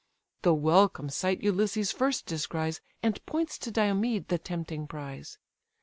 The welcome sight Ulysses first descries, And points to Diomed the tempting prize.